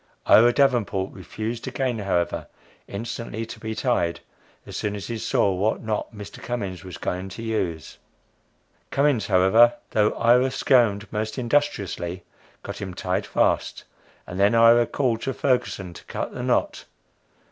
Ira Davenport refused again, however, instantly to be tied, as soon as he saw what knot Mr. Cummins was going to use. Cummins, however, though Ira squirmed most industriously, got him tied fast, and then Ira called to Ferguson to cut the knot!